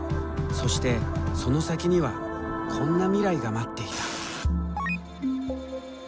そしてその先にはこんな未来が待っていた。